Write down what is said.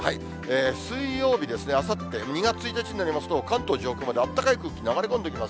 水曜日ですね、あさって２月１日になりますと、関東上空まであったかい空気流れ込んできます。